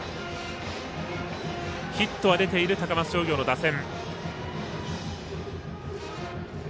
ヒットは出ている高松商業の打線。